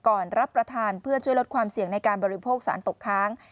รับประทานเพื่อช่วยลดความเสี่ยงในการบริโภคสารตกค้าง